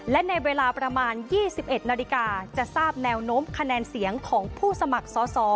และในเวลาประมาณ๒๑นาฬิกาจะทราบแนวโน้มคะแนนเสียงของผู้สมัครสอสอ